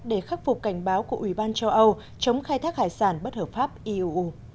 để khắc phục cảnh báo của ủy ban châu âu chống khai thác hải sản bất hợp pháp iuu